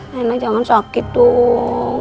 rena jangan sakit dong